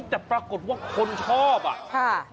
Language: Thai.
แต่ปรากฏว่าคนชอบอ่ะค่ะ